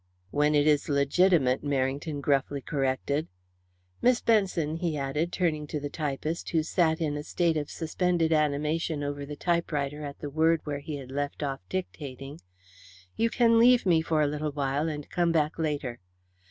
"When it is legitimate," Merrington gruffly corrected. "Miss Benson," he said, turning to the typist, who sat in a state of suspended animation over the typewriter at the word where he had left off dictating, "you can leave me for a little while and come back later.